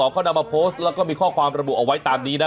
เขานำมาโพสต์แล้วก็มีข้อความระบุเอาไว้ตามนี้นะ